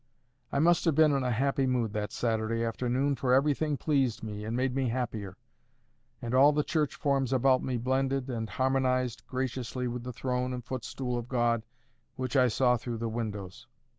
I must have been in a happy mood that Saturday afternoon, for everything pleased me and made me happier; and all the church forms about me blended and harmonised graciously with the throne and footstool of God which I saw through the windows.